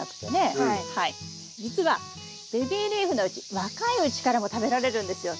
実はベビーリーフのうち若いうちからも食べられるんですよ